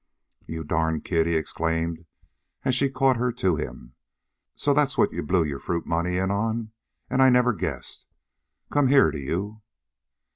"You darned kid!" he exclaimed, as he caught her to him. "So that's what you blew your fruit money in on? An' I never guessed! Come here to you."